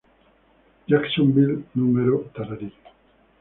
Jacksonville No.